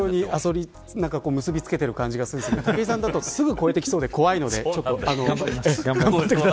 遊びに結び付けている感じがするんですけど武井さんだとすぐ超えてきそうで怖いので。